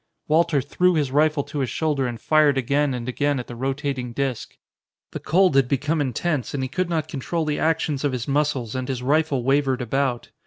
Walter threw his rifle to his shoulder and fired again and again at the rotating disc. The cold had became intense and he could not control the actions of his muscles and his rifle wavered about.